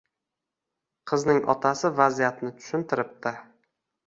Qizning otasi vaziyatni tushuntiribdi